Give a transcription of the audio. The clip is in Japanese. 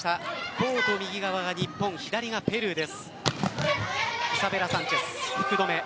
コート右側は日本左側がペルーです。